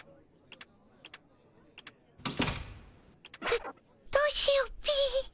どどうしようっピィ。